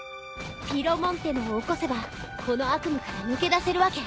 ピロモンってのを起こせばこの悪夢から抜け出せるわけ？